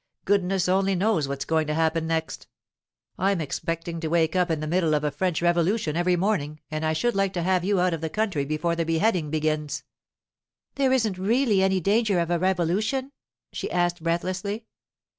Goodness only knows what's going to happen next. I'm expecting to wake up in the middle of a French revolution every morning, and I should like to have you out of the country before the beheading begins.' 'There isn't really any danger of a revolution?' she asked breathlessly.